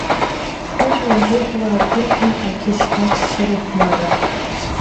Ажәлар рыбла аргәырӷьон ақьачақьцәа рыхәмарра.